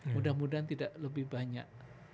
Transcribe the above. mudah mudahan tidak lebih banyak